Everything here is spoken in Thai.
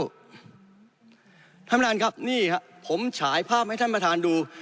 ท่านประธานครับนี่ครับผมฉายภาพให้ท่านประธานดู